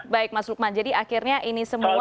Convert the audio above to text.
baik mas lukman jadi akhirnya ini semua